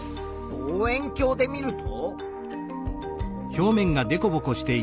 望遠鏡で見ると。